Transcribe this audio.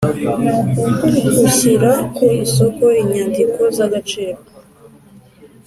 Ushyira ku isoko inyandiko z agaciro